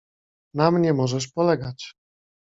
"Na mnie możesz polegać."